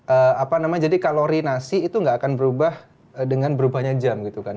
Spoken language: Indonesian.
apa namanya jadi kalori nasi itu nggak akan berubah dengan berubahnya jam gitu kan